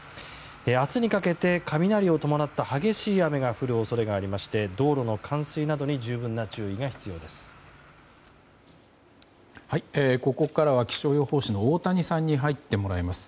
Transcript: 明日にかけて雷を伴った激しい雨が降る恐れがありまして道路の冠水などに十分な注意が必要です。